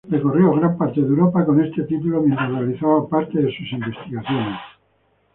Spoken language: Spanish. Recorrió gran parte de Europa con este título mientras realizaba parte de sus investigaciones.